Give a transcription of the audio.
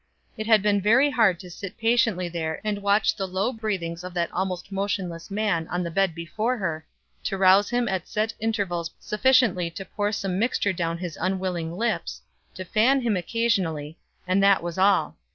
It had been very hard to sit patiently there and watch the low breathings of that almost motionless man on the bed before her, to rouse him at set intervals sufficiently to pour some mixture down his unwilling lips, to fan him occasionally, and that was all.